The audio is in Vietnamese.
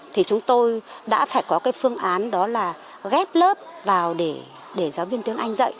thì chúng tôi đã phải có cái phương án đó là ghép lớp vào để giáo viên tiếng anh dạy